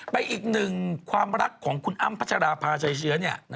อีกหนึ่งความรักของคุณอ้ำพัชราภาชัยเชื้อ